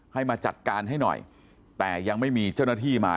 ให้มาจัดการให้หน่อยแต่ยังไม่มีเจ้าหน้าที่มา